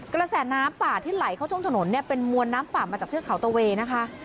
กระแสน้ำป่าที่ไหลเข้าท่วมถนนเนี่ยเป็นมวลน้ำป่ามาจากเทือกเขาตะเวนะคะ